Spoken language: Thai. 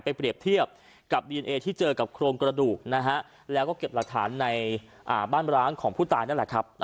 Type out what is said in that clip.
เปรียบเทียบกับดีเอนเอที่เจอกับโครงกระดูกนะฮะแล้วก็เก็บหลักฐานในบ้านร้างของผู้ตายนั่นแหละครับ